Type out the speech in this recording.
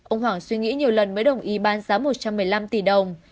ông hoàng suy nghĩ nhiều lần mới đồng ý bán giá một trăm một mươi năm tỷ đồng